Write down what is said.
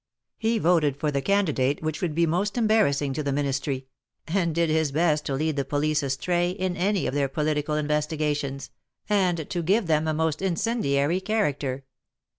He voted for the candidate which would be most embarrassing to the Ministry, and did his best to lead the police astray in any of their political inves tigations, and to give them a most incendiary character.